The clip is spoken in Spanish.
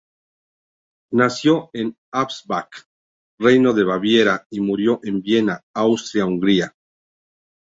Nació en Ansbach, Reino de Baviera, y murió en Viena, Austria-Hungría.